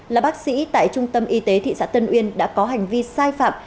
là bác sĩ tại trung tâm y tế thị xã tân uyên đã có hành vi sai phạm